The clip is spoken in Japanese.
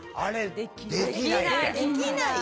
できないよ。